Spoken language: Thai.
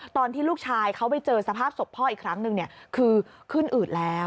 ตอนที่ลูกชายเขาไปเจอสภาพศพพ่ออีกครั้งหนึ่งคือขึ้นอืดแล้ว